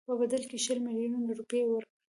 په بدل کې شل میلیونه روپۍ ورکړي.